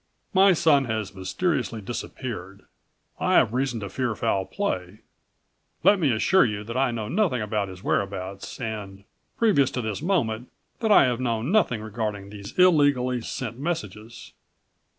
My son has mysteriously disappeared. I have reason to fear foul play. Let me assure you that I know nothing about his whereabouts and, previous to this moment, that I have known nothing regarding91 these illegally sent messages."